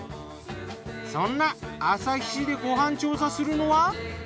そんな旭市でご飯調査するのは。